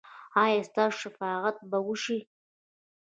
ایا ستاسو شفاعت به وشي؟